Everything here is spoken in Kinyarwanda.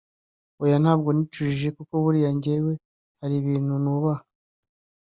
hoya ntabwo nicujije kuko buriya njyewe hari ibintu nubaha